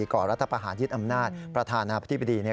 ก่อรัฐประหารยึดอำนาจประธานาธิบดี